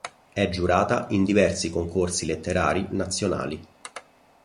È giurata in diversi Concorsi letterari nazionali.